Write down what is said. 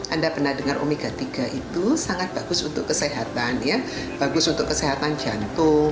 anda pernah dengar omega tiga itu sangat bagus untuk kesehatan bagus untuk kesehatan jantung